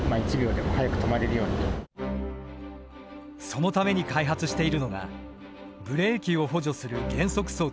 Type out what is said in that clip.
そのために開発しているのがブレーキを補助する減速装置。